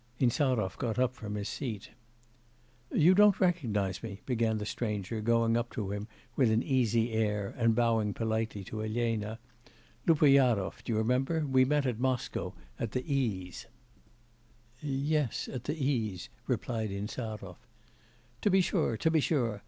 Insarov got up from his seat. 'You don't recognise me,' began the stranger, going up to him with an easy air, and bowing politely to Elena, 'Lupoyarov, do you remember, we met at Moscow at the E 's.' 'Yes, at the E 's,' replied Insarov. 'To be sure, to be sure!